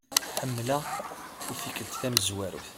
Ḥemlaɣ i-tikelt tamzwarut.